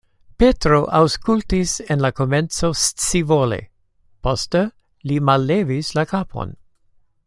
Petro aŭskultis en la komenco scivole, poste li mallevis la kapon.